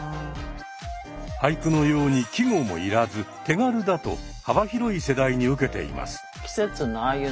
俳句のように季語も要らず手軽だと幅広い世代にウケています。